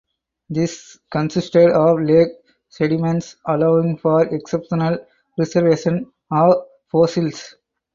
This consisted of lake sediments allowing for exceptional preservation of fossils.